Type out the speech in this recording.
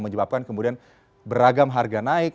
menyebabkan kemudian beragam harga naik